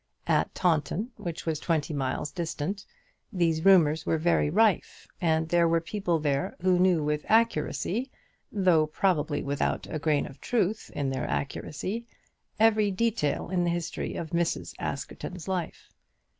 At Taunton, which was twenty miles distant, these rumours were very rife, and there were people there who knew with accuracy, though, probably without a grain of truth in their accuracy, every detail in the history of Mrs. Askerton's life.